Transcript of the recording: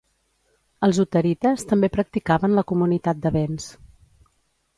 Els huterites també practicaven la comunitat de bens.